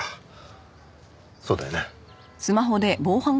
そうだよね？